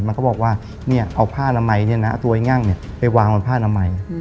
มันก็บอกว่าเอาผ้าน้ำไหมตัวไอ้งั่งไปวางผ้าน้ำไหม